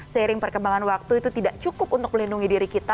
seiring perkembangan waktu itu tidak cukup untuk melindungi diri kita